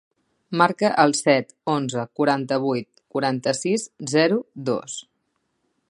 Marca el set, onze, quaranta-vuit, quaranta-sis, zero, dos.